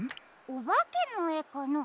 おばけのえかな？